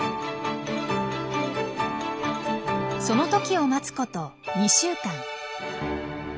その時を待つこと２週間。